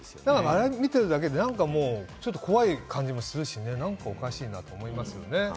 あれ見てるだけでちょっと怖い感じもするし、何かおかしいなと思いますよね。